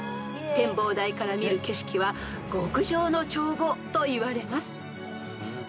［展望台から見る景色は極上の眺望といわれます］